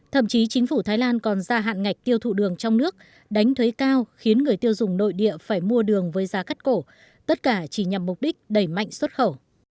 thậm chí chính phủ thái lan còn ra hạn ngạch tiêu thụ đường trong nước đánh thuế cao khiến người tiêu dùng nội địa phải mua đường với giá cắt cổ tất cả chỉ nhằm mục đích đẩy mạnh xuất khẩu